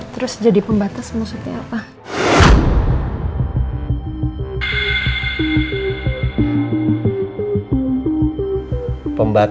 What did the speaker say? terus jadi pembatas maksudnya apa